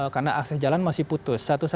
karena akses jalan masih putus